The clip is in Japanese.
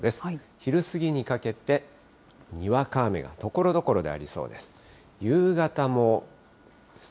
昼過ぎにかけて、にわか雨がところどころでありそうです。